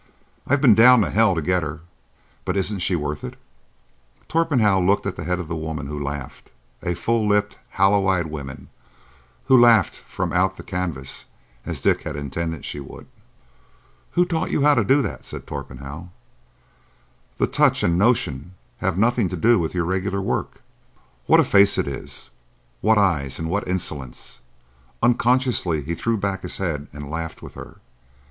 I've been down to hell to get her; but isn't she worth it?" Torpenhow looked at the head of a woman who laughed,—a full lipped, hollow eyed woman who laughed from out of the canvas as Dick had intended she would. "Who taught you how to do it?" said Torpenhow. "The touch and notion have nothing to do with your regular work. What a face it is! What eyes, and what insolence!" Unconsciously he threw back his head and laughed with her.